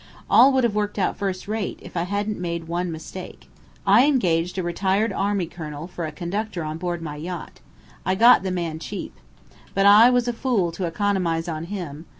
All would have worked out first rate, if I hadn't made one mistake. I engaged a retired army colonel for a conductor on board my yacht. I got the man cheap. But I was a fool to economize on him.